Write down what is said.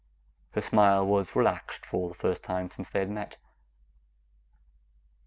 Her smile was relaxed for the first time since they had met.